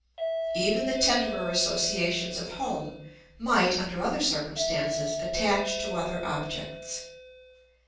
Even the tenderer associations of home might, under other circumstances, attach to other objects.